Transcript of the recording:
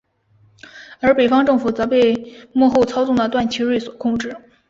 而北方政府则被幕后操纵的段祺瑞所控制。